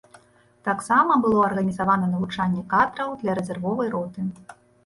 Таксама было арганізавана навучанне кадраў для рэзервовай роты.